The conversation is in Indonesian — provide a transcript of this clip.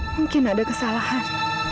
mungkin ada kesalahan